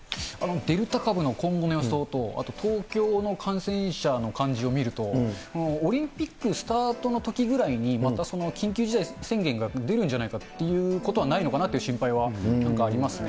デルタ株の今後の予想と、東京の感染者の感じを見ると、オリンピックスタートのときぐらいにまた緊急事態宣言が出るんじゃないかっていうことはないのかなという心配はなんかありますね。